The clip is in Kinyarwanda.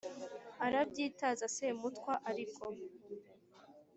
Arabyitaza Semutwa ariko,